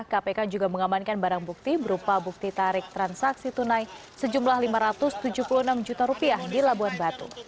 kpk juga mengamankan barang bukti berupa bukti tarik transaksi tunai sejumlah lima ratus tujuh puluh enam juta di labuan batu